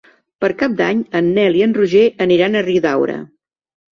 Per Cap d'Any en Nel i en Roger aniran a Riudaura.